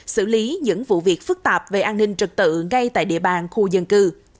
xử lý những vụ việc phức tạp về an ninh trật tự ngay tại địa bàn khu dân cư